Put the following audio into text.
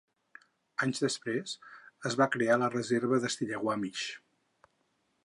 Anys després, es va crear la reserva de Stillaguamish.